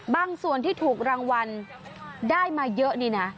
บางส่วนที่ถูกรางวัลได้มาเยอะนี่นะ